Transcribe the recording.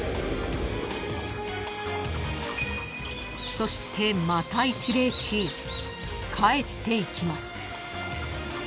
［そしてまた一礼し帰っていきます］